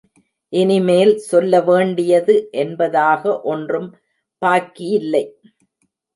இனி மேல் சொல்லவேண்டியது என்பதாக ஒன்றும் பாக்கியில்லை.